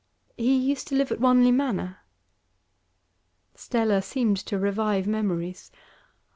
'He used to live at Wanley Manor.' Stella seemed to revive memories.